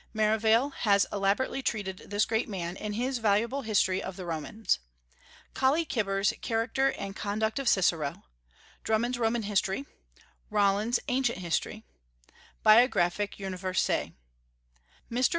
Merivale has elaborately treated this great man in his valuable History of the Romans. Colley Cibber's Character and Conduct of Cicero, Drumann's Roman History, Rollin's Ancient History, Biographic Universelle. Mr.